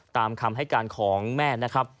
ตามคำให้การของแม่นะครับ